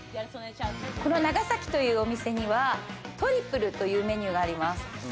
この長崎というお店には、トリプルというメニューがあります。